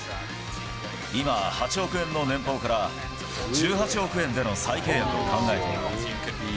今、８億円の年俸から、１８億円での再契約を考えている。